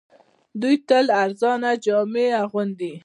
دوی تل ارزانه جامې اغوندي